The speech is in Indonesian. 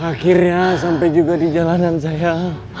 akhirnya sampai juga di jalanan saya